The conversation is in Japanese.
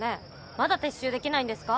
まだ撤収できないんですか？